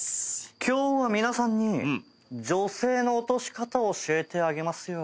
今日は皆さんに女性の落とし方教えてあげますよ。